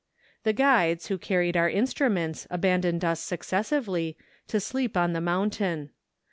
The guides, who carried our in¬ struments, abandoned us successively, to sleep on the mountain.